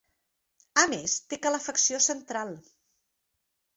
A més, té calefacció central.